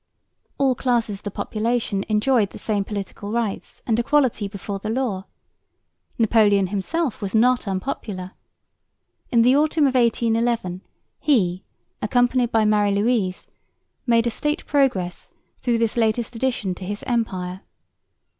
All classes of the population enjoyed the same political rights and equality before the law. Napoleon himself was not unpopular. In the autumn of 1811 he, accompanied by Marie Louise, made a state progress through this latest addition to his empire.